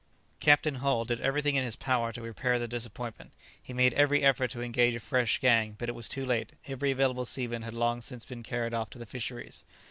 Captain Hull did everything in his power to repair the disappointment; he made every effort to engage a fresh gang; but it was too late; every available seaman had long since been carried off to the fisheries.